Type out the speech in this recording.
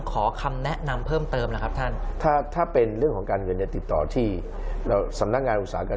ขอคำแนะนำเพิ่มเติมหรือครับท่าน